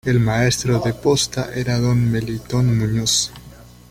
El maestro de posta era don Melitón Muñoz.